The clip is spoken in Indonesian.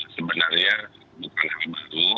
sebenarnya bukan hal baru